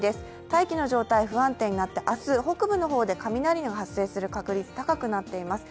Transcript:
大気の状態、不安定になって明日、北部で雷の発生する確率、高くなっています。